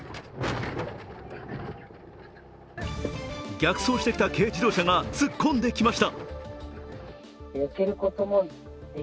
逆走してきた軽自動車が突っ込んできました。